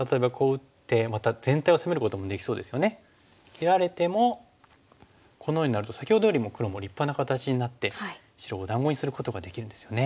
切られてもこのようになると先ほどよりも黒も立派な形になって白をお団子にすることができるんですよね。